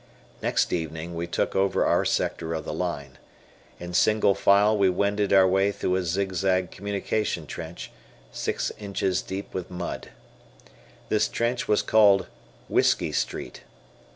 Next evening, we took over our sector of the line. In single file we wended our way through a zigzag communication trench, six inches deep with mud. This trench was called "Whiskey Street."